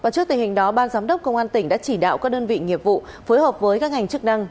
trước tình hình đó ban giám đốc công an tỉnh đã chỉ đạo các đơn vị nghiệp vụ phối hợp với các ngành chức năng